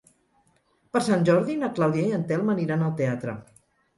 Per Sant Jordi na Clàudia i en Telm aniran al teatre.